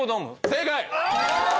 正解！